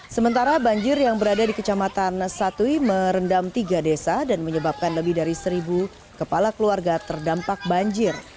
sementara banjir yang berada di kecamatan satui merendam tiga desa dan menyebabkan lebih dari seribu kepala keluarga terdampak banjir